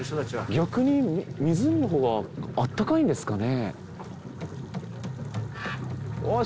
逆に湖のほうがあったかいんですかね？